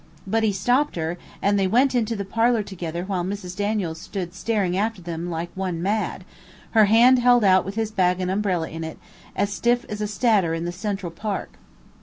But he stopped her and they went into the parlor together while Mrs. Daniels stood staring after them like one mad, her hand held out with his bag and umbrella in it, stiff as a statter in the Central Park.